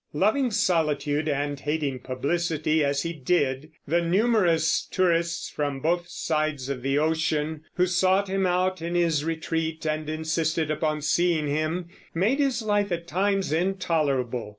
Loving solitude and hating publicity as he did, the numerous tourists from both sides of the ocean, who sought him out in his retreat and insisted upon seeing him, made his life at times intolerable.